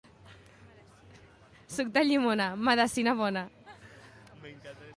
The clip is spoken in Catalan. Suc de llimona, medecina bona.